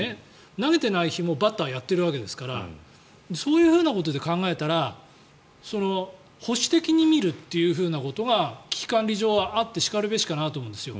投げてない日もバッターをやってるわけですからそういうことで考えたら保守的に見るということが危機管理上はあってしかるべきかなと思うんですよ。